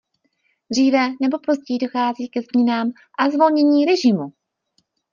Dříve nebo později dochází ke změnám a zvolnění režimu.